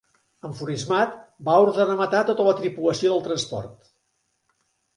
Enfurismat, va ordenar matar tota la tripulació del transport.